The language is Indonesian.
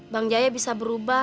bang jaya bisa berubah